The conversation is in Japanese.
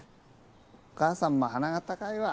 お母さんも鼻が高いわ。